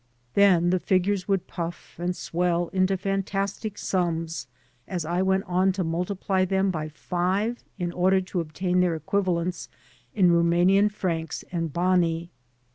Then the figures would puff and swell into fantastic sums as I went on to multiply them by five in order to obtain their equivalents in Rumanian francs and bani.